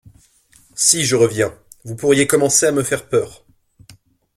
Si je reviens. Vous pourriez commencer à me faire peur.